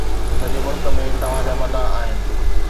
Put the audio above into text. سڄي ملڪ ۾ توهان جا مداح آهن